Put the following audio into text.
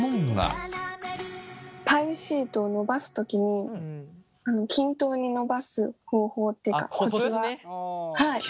パイシートを伸ばす時に均等に伸ばす方法というかコツは。